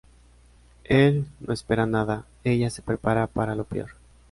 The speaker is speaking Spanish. Él no espera nada, ella se prepara para lo peor.